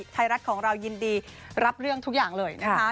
ไทยรัฐของเรายินดีรับเรื่องทุกอย่างเลยนะคะ